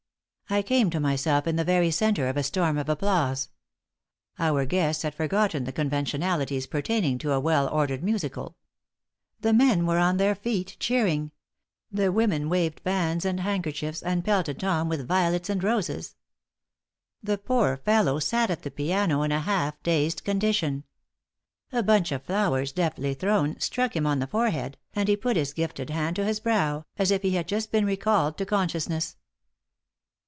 I came to myself in the very center of a storm of applause. Our guests had forgotten the conventionalities pertaining to a will ordered musical. The men were on their feet, cheering. The women waved fans and handkerchiefs, and pelted Tom with violets and roses. The poor fellow sat at the piano in a half dazed condition. A bunch of flowers, deftly thrown, struck him on the forehead, and he put his gifted hand to his brow as if he had just been recalled to consciousness.